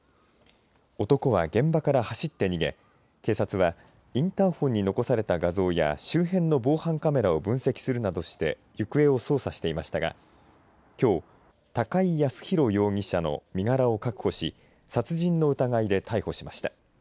男は現場から走って逃げ警察はインターフォンに残された画像や周辺の防犯カメラを分析するなどして行方を捜査していましたがきょう、高井靖弘容疑者の身柄を確保し殺人の疑いで逮捕しました。